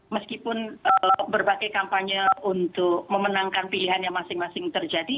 meskipun berbagai kampanye untuk memenangkan pilihan yang masing masing terjadi